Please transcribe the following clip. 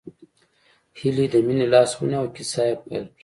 هيلې د مينې لاس ونيو او کيسه يې پيل کړه